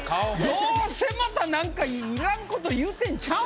どうせまた何かいらんこと言うてんちゃうの？